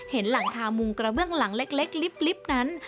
เห็นหลังคามุงกระเมืองหลังเล็กลิบนั้น